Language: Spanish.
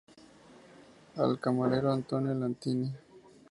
Al camarero Antonio Latini.